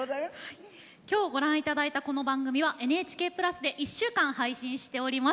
今日ご覧いただいたこの番組は、ＮＨＫプラスで１週間配信いたします。